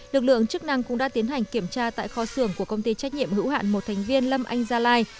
lực lượng chức năng cũng đã tiến hành kiểm tra tại kho xưởng của công ty trách nhiệm hữu hạn một thành viên lâm anh gia lai